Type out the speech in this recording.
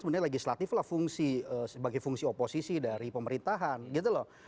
sebenarnya legislatif lah sebagai fungsi oposisi dari pemerintahan gitu loh